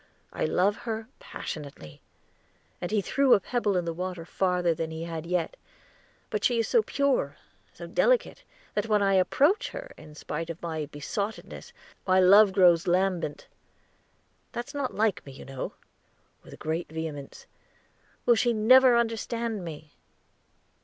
I love her passionately," and he threw a pebble in the water farther than he had yet; "but she is so pure, so delicate, that when I approach her, in spite of my besottedness, my love grows lambent. That's not like me, you know," with great vehemence. "Will she never understand me?"